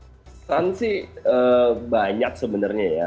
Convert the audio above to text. pesan sih banyak sebenarnya ya